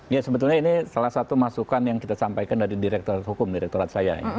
ya sebetulnya ini salah satu masukan yang kita sampaikan dari direkturat hukum direkturat saya